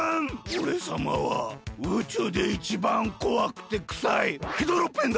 おれさまはうちゅうでいちばんこわくてくさいヘドロッペンだ！